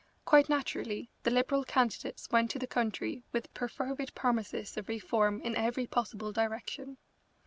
Quite naturally the Liberal candidates went to the country with perfervid promises of reform in every possible direction.